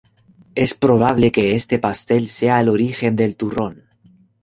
Es probable que este pastel sea el origen del Turrón.